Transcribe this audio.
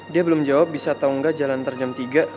dia belum jawab bisa tau gak jalan terjem tiga